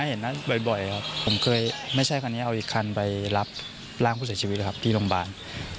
เห็นนั้นบ่อยครับผมเคยไม่ใช่คันนี้เอาอีกคันไปรับร่างผู้เสียชีวิตนะครับที่โรงพยาบาล